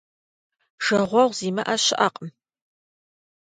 Жагъуэгъу зимыӏэ щыӏэкъым.